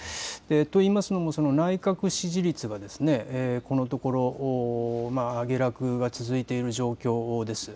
といいますのも、内閣支持率は、このところ、下落が続いている状況です。